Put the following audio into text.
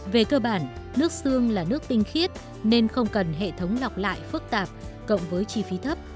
về cơ bản nước xương là nước tinh khiết nên không cần hệ thống lọc lại phức tạp cộng với chi phí thấp